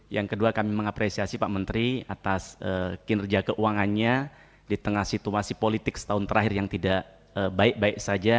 yang kedua kami mengapresiasi pak menteri atas kinerja keuangannya di tengah situasi politik setahun terakhir yang tidak baik baik saja